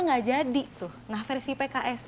nggak jadi tuh nah versi pks